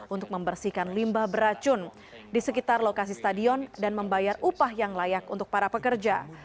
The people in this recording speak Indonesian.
untuk membersihkan limbah beracun di sekitar lokasi stadion dan membayar upah yang layak untuk para pekerja